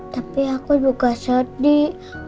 tapi aku juga sedih